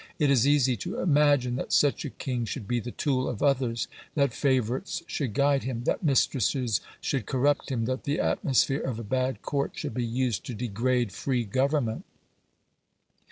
It is easy to imagine that such a king should be the tool of others; that favourites should guide him; that mistresses should corrupt him; that the atmosphere of a bad Court should be used to degrade free government.